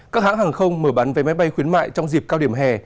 các hãng hàng không mở bán vé máy bay khuyến mại trong dịp cao điểm hè